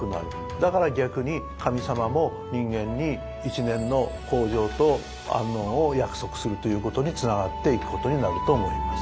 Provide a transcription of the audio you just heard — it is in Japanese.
だから逆に神様も人間にするということにつながっていくことになると思います。